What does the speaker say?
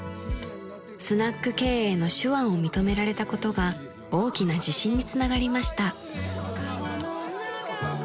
［スナック経営の手腕を認められたことが大きな自信につながりました］